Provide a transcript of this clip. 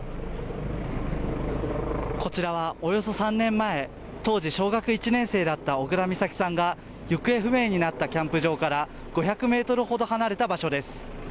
こちらはおよそ３年前当時小学１年生だった小倉美咲さんが行方不明になったキャンプ場から５００メートルほど離れた場所です